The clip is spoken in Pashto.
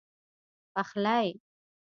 پخلی